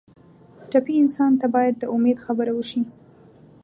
ټپي انسان ته باید د امید خبره وشي.